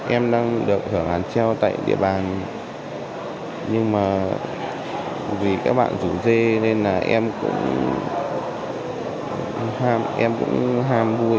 em đang được hưởng án treo tại địa bàn nhưng mà vì các bạn rủ dê nên là em cũng ham vui